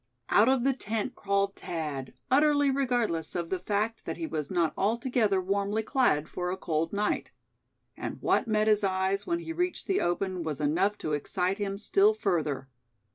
Out of the tent crawled Thad, utterly regardless of the fact that he was not altogether warmly clad for a cold night. And what met his eyes when he reached the open was enough to excite him still further.